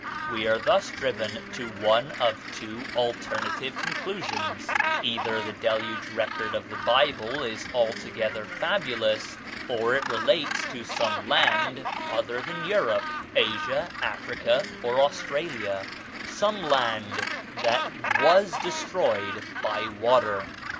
We are thus driven to one of two alternative conclusions: either the Deluge record of the Bible is altogether fabulous, or it relates to some land other than Europe, Asia, Africa, or Australia, some land that was destroyed by water.